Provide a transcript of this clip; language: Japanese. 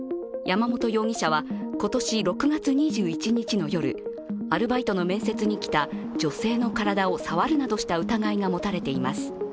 山本容疑者は今年６月２１日の夜、アルバイトの面接に来た女性の体を触るなどした疑いが持たれています。